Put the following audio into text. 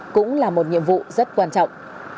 cũng là một nhiệm vụ rất quan trọng